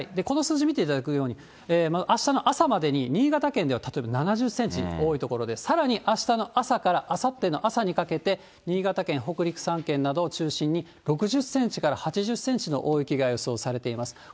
この数字見ていただくように、あしたの朝までに、新潟県では例えば７０センチ、多い所で、さらにあしたの朝からあさっての朝にかけて、新潟県、北陸３県などを中心に６０センチから８０センチの大雪が予想されています。